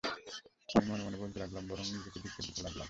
আমি মনে মনে বলতে লাগলাম, বরং নিজেকে ধিক্কার দিতে লাগলাম।